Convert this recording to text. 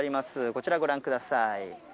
こちらご覧ください。